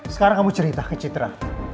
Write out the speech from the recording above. sekarang kamu cerita ke citra